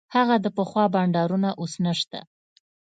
هغه د پخوا بانډارونه اوس نسته.